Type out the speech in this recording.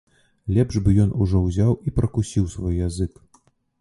Лепш бы ён ужо ўзяў і пракусіў свой язык.